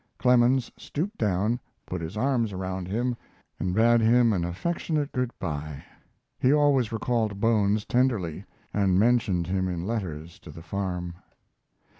Clemens stooped down, put his arms around him, and bade him an affectionate good by. He always recalled Bones tenderly, and mentioned him in letters to the farm.